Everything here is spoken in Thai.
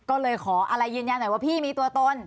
ก็เลยขออะไรยืนยันหน่อยว่าพี่มีตัวตน